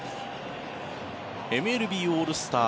ＭＬＢオールスター。